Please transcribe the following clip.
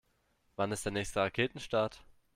Wann ist der nächste Raketenstart?